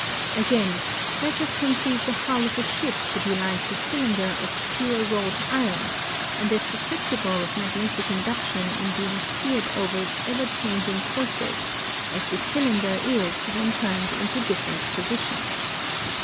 Again, let us conceive the hull of a ship to l)e like the cylinder of ))ure wrought iron and as susceptible of mag netic induction in being steered over its ever changing courses as the cylinder is when turned into difierent positions.